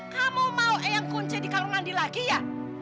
kamu mau ayang kunci di kamar mandi lagi ya